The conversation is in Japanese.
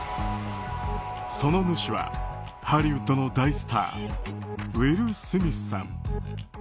その主はハリウッドの大スターウィル・スミスさん。